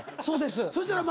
そうです。